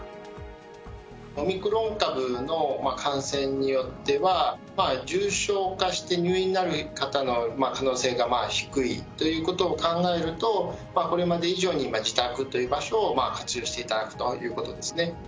オミクロン株の感染によっては、重症化して入院になる方の可能性が低いということを考えると、これまで以上に自宅という場所を活用していただくということですね。